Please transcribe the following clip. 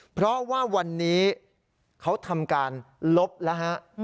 เพราะว่าวันนี้เขาทำการลบแล้วฮะ